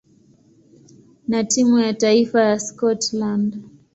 na timu ya taifa ya Scotland.